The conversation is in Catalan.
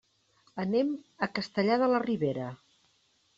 Anem a Castellar de la Ribera.